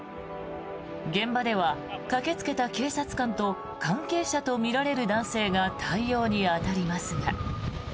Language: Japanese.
現場では駆けつけた警察官と関係者とみられる男性が対応に当たりますが。